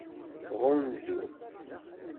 Ɣunzu.